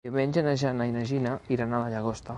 Diumenge na Jana i na Gina iran a la Llagosta.